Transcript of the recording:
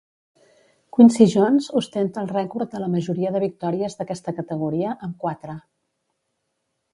Quincy Jones ostenta el rècord de la majoria de victòries d'aquesta categoria, amb quatre.